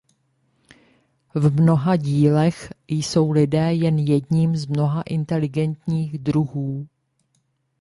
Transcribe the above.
V mnoha dílech jsou lidé jen jedním z mnoha inteligentních druhů.